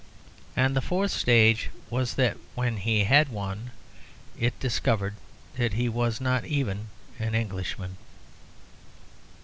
And the fourth stage was that when he had won, it discovered that he was not even an Englishman.